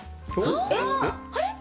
あれ？